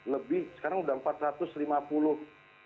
lebih sekarang sudah empat ratus lima puluh